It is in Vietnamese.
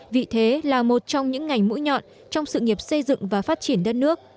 vị thế là một trong những ngành mũi nhọn trong sự nghiệp xây dựng và phát triển đất nước